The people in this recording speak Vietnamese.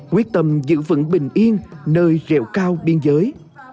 quyết tâm giữ vững bình yên nơi rẹo cao biên giới